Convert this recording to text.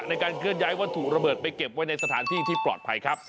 ในการเคลื่อนย้ายวัตถุระเบิดไปเก็บไว้ในสถานที่ที่ปลอดภัยครับ